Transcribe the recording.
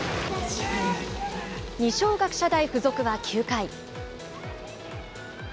二松学舎大付属は９回。